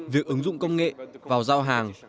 việc ứng dụng công nghệ vào giao hàng